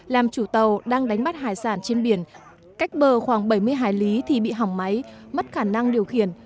làm chủ tàu đang đánh bắt hải sản trên biển cách bờ khoảng bảy mươi hải lý thì bị hỏng máy mất khả năng điều khiển